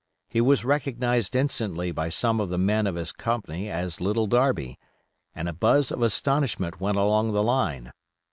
He was recognized instantly by some of the men of his company as Little Darby, and a buzz of astonishment went along the line.